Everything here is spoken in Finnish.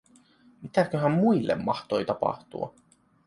Mitäköhän muille mahtoi tapahtua?